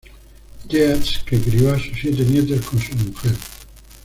Yeats, que crió a sus siete nietos con su mujer.